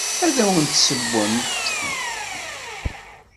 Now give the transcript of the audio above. Ad awent-d-ssewwent.